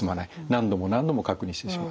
何度も何度も確認してしまう。